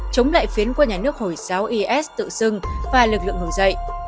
chống lại phiến của nhà nước hồi giáo is tự dưng và lực lượng ngừng dậy